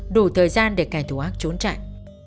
đủ thời gian để kẻ thù ác trốn chạy